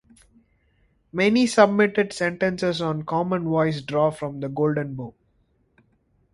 Many submitted sentences on Common Voice draw from The Golden Bough.